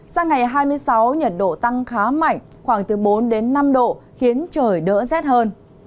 sang ngày hai mươi sáu nhật độ tăng khá mạnh khoảng từ bốn đến năm độ khiến trời đỡ rét hơn